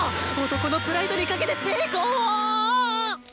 男のプライドにかけて抵抗を。